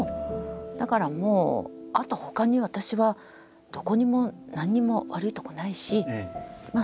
だからもうあとほかに私はどこにも何にも悪いとこないしまあ